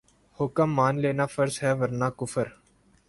حکم مان لینا فرض ہے ورنہ کفر